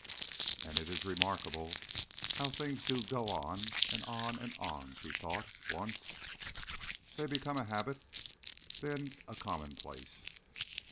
"And it is remarkable how things do go on and on and on," she thought once. "They become a habit, then a commonplace.